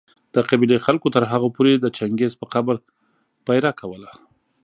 د قبېلې خلکو تر هغو پوري د چنګېز په قبر پهره کوله